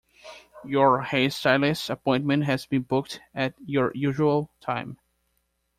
Your hairstylist appointment has been booked at your usual time.